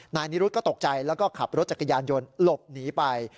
นายนิรุธก็ตกใจแล้วก็ขับรถจักรยานยนต์หลบหนีไป